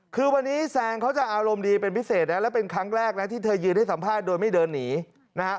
คือวันนี้แซนเขาจะอารมณ์ดีเป็นพิเศษนะและเป็นครั้งแรกนะที่เธอยืนให้สัมภาษณ์โดยไม่เดินหนีนะฮะ